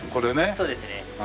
そうですね。